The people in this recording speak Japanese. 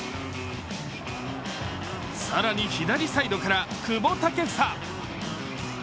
更に、左サイドから久保建英。